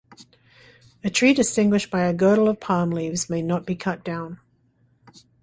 A tree distinguished by a girdle of palm-leaves may not be cut down.